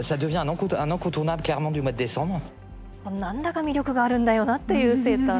なんだか魅力があるんだよなっていうセーター。